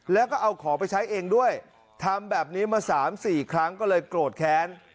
แล้วก็เอาของไปใช้เองด้วยทำแบบนี้มา๓๔ครั้งก็เลยโกรธแค้น